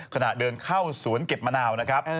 ขณะเดินเข้าสวนเก็บมะนาวนะครับ